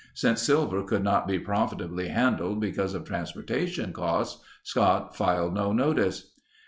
Since silver could not be profitably handled because of transportation costs, Scott filed no notice.